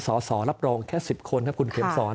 สอสอรับรองแค่๑๐คน